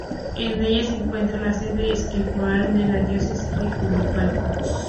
En ella se encuentra la sede episcopal de la Diócesis de Juigalpa.